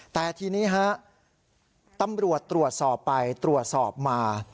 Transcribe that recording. แต่ทีนี้ฮะตำรวจตรวจสอบไปตรวจสอบมา